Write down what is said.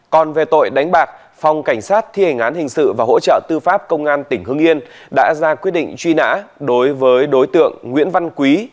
còn về tội đánh bạc phòng cảnh sát thi hành án hình sự và hỗ trợ tư pháp công an tỉnh hưng yên đã ra quyết định truy nã đối với đối tượng nguyễn văn quý